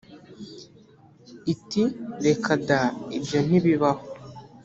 iti reka da ibyo ntibibaho.